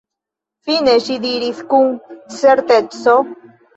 Fine ŝi diris kun certeco: